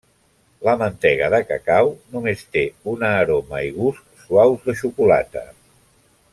La mantega de cacau només té una aroma i gust suaus de xocolata.